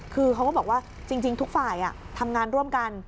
คือเขาก็บอกว่าจริงทุกฝ่ายทำงานร่วมกัน